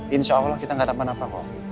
insya allah kita gak dapat apa apa